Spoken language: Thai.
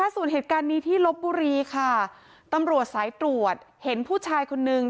ส่วนเหตุการณ์นี้ที่ลบบุรีค่ะตำรวจสายตรวจเห็นผู้ชายคนนึง